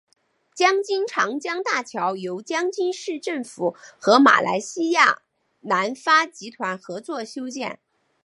江津长江大桥由江津市政府和马来西亚南发集团合作修建。